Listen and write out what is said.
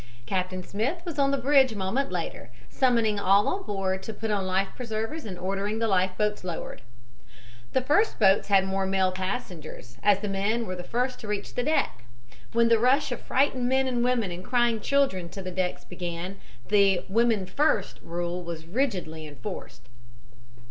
Captain Smith was on the bridge a moment later, summoning all on board to put on life preservers and ordering the life boats lowered. "The first boats had more male passengers, as the men were the first to reach the deck. When the rush of frightened men and women and crying children to the decks began, the 'women first' rule was rigidly enforced.